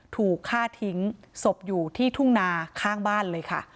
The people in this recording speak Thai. ถูกฆ่าทิ้งศพอยู่ที่ทุ่งนาข้างบ้านเลยค่ะ